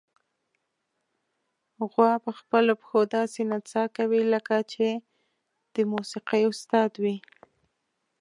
غوا په خپلو پښو داسې نڅا کوي، لکه چې د موسیقۍ استاد وي.